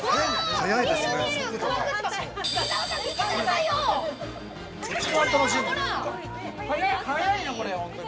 ◆速いよ、これ、本当に。